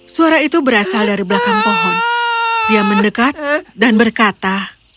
suara itu berasal dari belakang pohon dia mendekat dan berkata